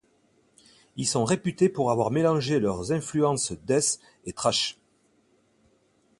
Ils sont réputés pour avoir mélangé leurs influences death et thrash.